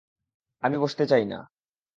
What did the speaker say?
আমি বসতে চাই না।